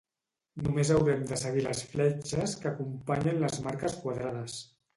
Només haurem de seguir les fletxes que acompanyen les marques quadrades